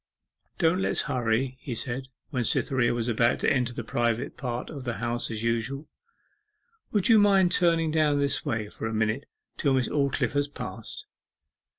'Don't let's hurry,' he said, when Cytherea was about to enter the private path to the House as usual. 'Would you mind turning down this way for a minute till Miss Aldclyffe has passed?